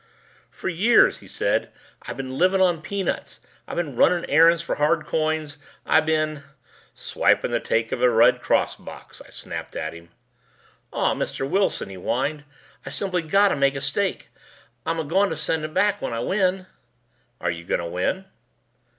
"Fer years," he said, "I been living on peanuts. I been runnin' errands for hard coins. I been " "Swiping the take of a Red Cross box," I snapped at him. "Aw, Mr. Wilson," he whined, "I simply gotta make a stake. I'm a goin' to send it back when I win." "Are you going to win?"